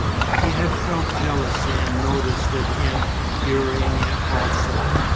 He had felt jealousy and noticed it in Urania also.